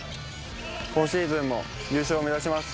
今シーズンも優勝を目指します。